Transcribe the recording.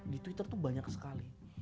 di twitter tuh banyak sekali